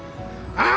ああ！